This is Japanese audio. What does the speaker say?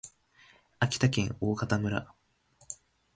秋田県大潟村